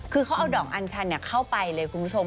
คือเขาเอาดอกอัญชันเข้าไปเลยคุณผู้ชม